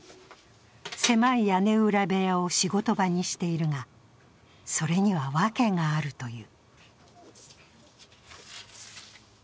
狭い屋根裏部屋を仕事部屋にしているが、それにはワケがあるという。